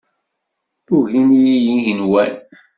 Ugin-iyi yigenwan.